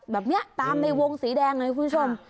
แบบเนี่ยตามในวงสีแดงนะครับคุณผู้ชม